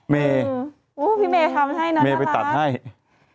เมย์เมย์ไปตัดให้พี่เมย์ทำให้น้องตา